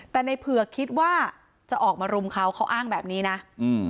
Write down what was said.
แต่ในเผือกคิดว่าจะออกมารุมเขาเขาอ้างแบบนี้นะอืม